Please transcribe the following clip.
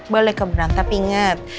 boleh keberan tapi inget